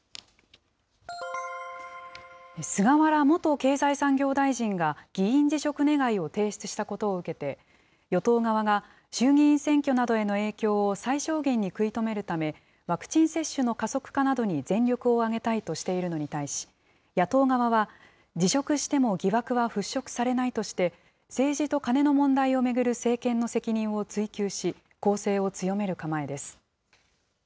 菅原元経済産業大臣が、議員辞職願を提出したことを受けて、与党側が衆議院選挙などへの影響を最小限に食い止めるため、ワクチン接種の加速化などに全力を挙げたいとしているのに対し、野党側は、辞職しても疑惑は払拭されないとして、政治とカネの問題を巡る政権の責任を追及し、攻勢を強める構えです。